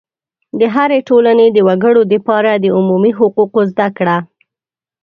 د هرې ټولنې د وګړو دپاره د عمومي حقوقو زده کړه